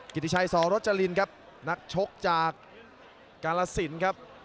กิจิชัยสรจรินครับนักชกจากกาลสินครับ